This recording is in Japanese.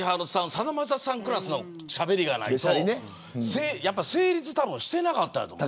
さだまさしさんクラスのしゃべりがないと成立してなかったと思う。